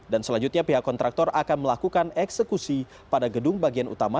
dan selanjutnya pihak kontraktor akan melakukan eksekusi pada gedung bagian utama